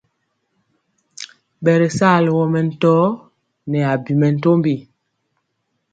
Ɓɛ ri sa alogɔ mɛntɔɔ nɛ abi mɛntombi.